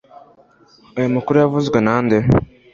Ayo makuru yavuzwe nande